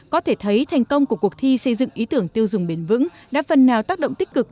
có thể thấy thành công của cuộc thi xây dựng ý tưởng tiêu dùng bền vững đã phần nào tác động tích cực